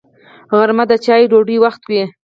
غرمه د چایو او ډوډۍ وخت وي